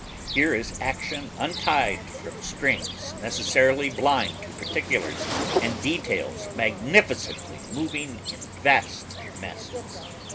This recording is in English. Here is action untied from strings necessarily blind to particulars and details magnificently moving in vast masses.